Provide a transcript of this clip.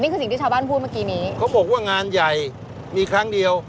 สิ่งที่ชาวบ้านพูดเมื่อกี้นี้เขาบอกว่างานใหญ่มีครั้งเดียว